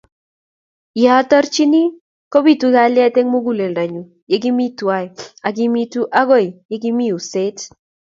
Yeatorochin kobitu kalyet eng' muguleldanyu. Ye kimi twain akimitu angot ye mi uset.